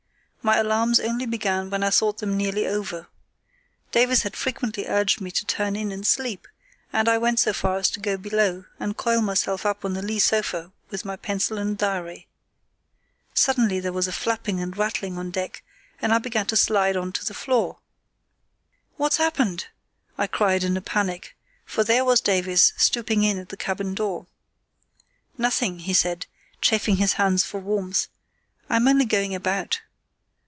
My alarms only began when I thought them nearly over. Davies had frequently urged me to turn in and sleep, and I went so far as to go below and coil myself up on the lee sofa with my pencil and diary. Suddenly there was a flapping and rattling on deck, and I began to slide on to the floor. "What's happened?" I cried, in a panic, for there was Davies stooping in at the cabin door. "Nothing," he said, chafing his hands for warmth; "I'm only going about.